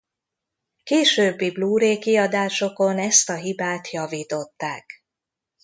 Későbbi Blu-ray kiadásokon ezt a hibát javították.